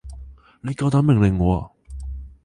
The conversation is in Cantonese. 你夠膽命令我啊？